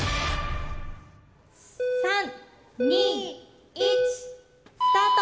３２１スタート！